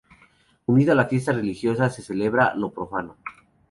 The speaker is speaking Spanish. Unido a la fiesta religiosa, se celebra lo profano.